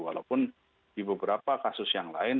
walaupun di beberapa kasus yang lain